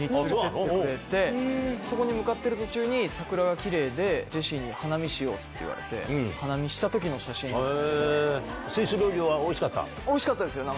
そこに向かってる途中に桜がキレイでジェシーに「花見しよう！」って言われて花見した時の写真なんですけど。